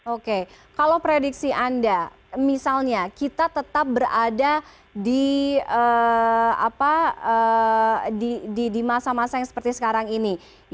oke kalau prediksi anda misalnya kita tetap berada di masa masa yang seperti sekarang ini